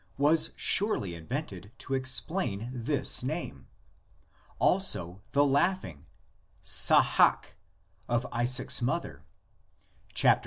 was surely invented to explain this name; also the laugh ing (sahak) of Isaac's mother (xviii.